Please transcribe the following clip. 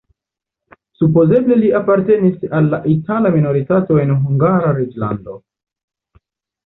Supozeble li apartenis al la itala minoritato en Hungara reĝlando.